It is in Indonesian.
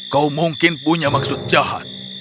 kau mungkin punya maksud jahat